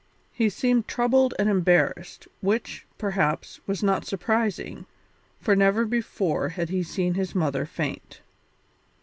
He seemed troubled and embarrassed, which, perhaps, was not surprising, for never before had he seen his mother faint.